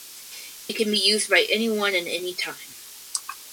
It can be used by anyone in anytime.